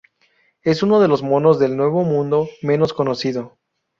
Es uno de los monos del Nuevo Mundo menos conocido.